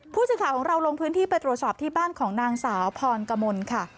ผู้สื่อข่าวของเราลงพื้นที่ไปตรวจสอบที่บ้านของนางสาวพรกมลค่ะ